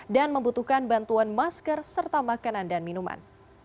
dan membutuhkan bantuan masker serta makanan dan minuman